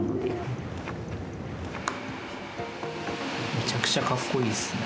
めちゃくちゃかっこいいですね。